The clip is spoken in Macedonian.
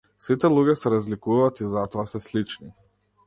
Сите луѓе се разликуваат и затоа се слични.